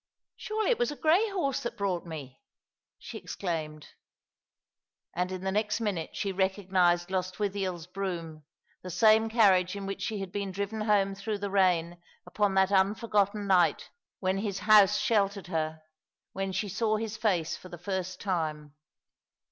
'• Surely it was a grey horse that brought me !" sb« Love and Life and Death!^ 305 exclaimed, and in the next minute she recognized Lost withiel's brougham, the same carriage in which she had been driven home through the rain upon that unforgotten night when his house sheltered her, when she saw his face for the first time.